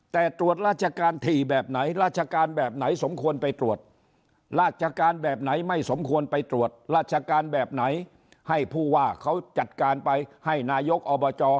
แต่ตรวจราชการถี่แบบไหนราชการแบบไหนสมควรไปตรวจราชการแบบไหนไม่สมควรไปตรวจราชการแบบไหนให้ผู้ว่าเขาจัดการไปให้นายกอบจ